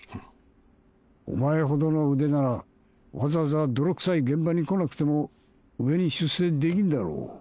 お前ほどの腕ならわざわざ泥くさい現場に来なくても上に出世できんだろ。